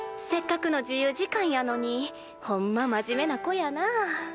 せっかくの自由時間やのにほんま真面目な子やな。